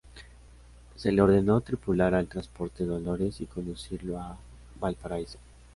Se le ordenó tripular al transporte Dolores y conducirlo a Valparaíso.